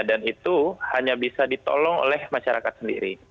dan itu hanya bisa ditolong oleh masyarakat sendiri